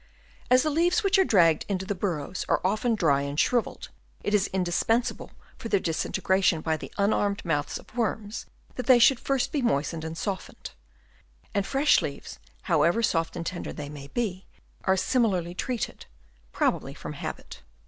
As the leaves which are dragged into the bur rows are often dry and shrivelled, it is in dispensable for their disintegration by the unarmed mouths of worms that they should first be moistened and softened ; and fresh leaves, however soft and tender they may be, are similarly treated, probably from habit.